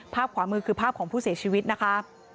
ขวามือคือภาพของผู้เสียชีวิตนะคะ